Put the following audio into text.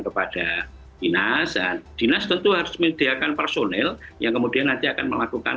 kepada dinas dan dinas tentu harus menyediakan personil yang kemudian nanti akan melakukan